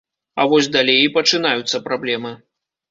А вось далей і пачынаюцца праблемы.